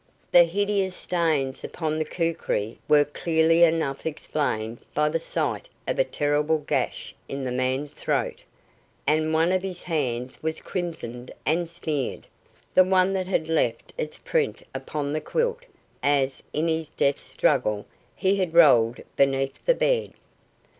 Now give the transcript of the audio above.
The hideous stains upon the kukri were clearly enough explained by the sight of a terrible gash in the man's throat, and one of his hands was crimsoned and smeared the one that had left its print upon the quilt, as, in his death struggle, he had rolled beneath the bed.